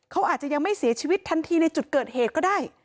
เขาอาจจะยังไม่เสียชีวิตทันทีในจุดเกิดเหตุก็ได้